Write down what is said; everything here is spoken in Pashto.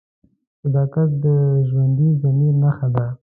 صداقت د ژوندي ضمیر نښه ده.